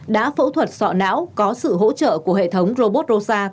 đã phẫu thuật sọ não có sự hỗ trợ của hệ thống robot